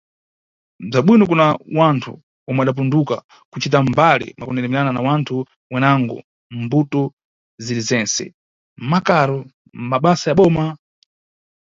Bza bwino kuna wanthu omwe adapunduka kucita mbali, mwakundendemera na wanthu wenango, mʼmbuto ziri zentse: mʼmakaro, mʼmabasa ya boma.